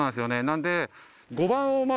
なんで。